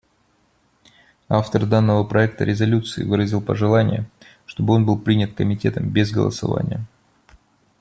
Автор данного проекта резолюции выразил пожелание, чтобы он был принят Комитетом без голосования.